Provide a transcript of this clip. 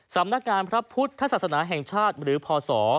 สำนักงานพระพุทธศาสนาแห่งชาติหรือพศ